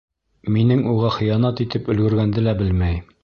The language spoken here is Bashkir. Минең уға хыянат итеп өлгөргәнде лә белмәй.